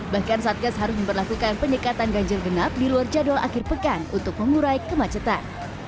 bahkan satgas harus memperlakukan penyekatan ganjil genap di luar jadwal akhir pekan untuk mengurai kemacetan